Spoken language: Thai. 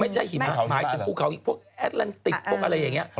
ไม่ใช่หิมะหมายถึงผู้เขาอีกพวกแอตแลนติปพวกอะไรอย่างนี้